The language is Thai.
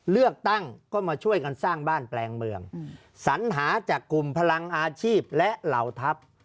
เลือกตั้งก็มาช่วยกันสร้างบ้านแปลงเมืองสัญหาจากกลุ่มพลังอาชีพและเหล่าทัพ